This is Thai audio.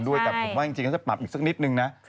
ด้วยผมว่าจริงจะปรับอีกซักนิดนึงนะ